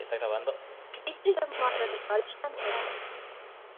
Գրիչը և մանրանկարիչն անհայտ են։